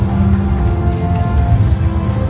สโลแมคริปราบาล